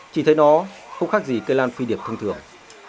chỉ thấy nó không khác gì cây lan phi điệp thông thường